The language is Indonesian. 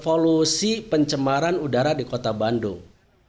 polusi pencemaran udara di kota bandung